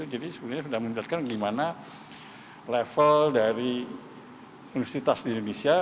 jadi sudah mendapatkan bagaimana level dari universitas di indonesia